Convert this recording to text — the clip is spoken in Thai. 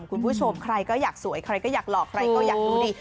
คุณผู้ชมใครก็อยากสวยใครก็อยากหลอกใครก็อยากรู้ดี